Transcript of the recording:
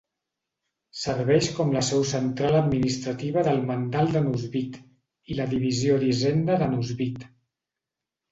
Serveix com la seu central administrativa del mandal de Nuzvid i la divisió d'Hisenda de Nuzvid.